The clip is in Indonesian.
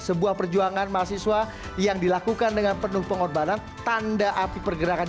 sebuah perjuangan mahasiswa yang dilakukan dengan penuh pengorbanan tanda api pergerakan